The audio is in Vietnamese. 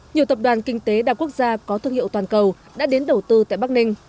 nhiều tập đoàn kinh tế đa quốc gia có thương hiệu toàn cầu đã đến đầu tư tại bắc ninh